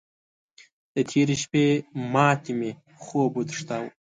د تېرې شپې ماتې مې خوب وتښتاوو.